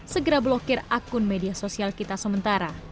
segera blokir akun media sosial kita sementara